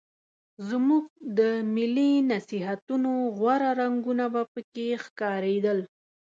زموږ د ملي نصیحتونو غوره رنګونه به پکې ښکارېدل.